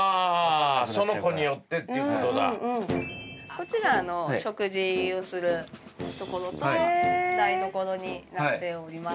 こっちが食事をするところと台所になっております。